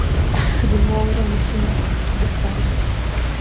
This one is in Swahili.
Juma wangu ameshinda tuzo kubwa sana.